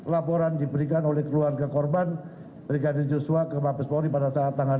laporan diberikan oleh keluarga korban brigadir joshua ke mabes polri pada saat tanggal